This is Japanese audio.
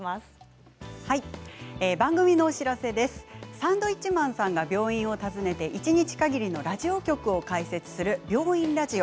サンドウィッチマンさんが病院を訪ねて一日かぎりのラジオ局を開設する「病院ラジオ」。